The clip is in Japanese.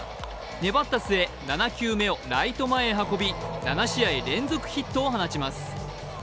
粘った末、７球へをライト前へ運び７試合連続ヒットを放ちます。